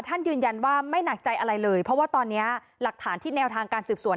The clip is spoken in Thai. ยืนยันว่าไม่หนักใจอะไรเลยเพราะว่าตอนนี้หลักฐานที่แนวทางการสืบสวน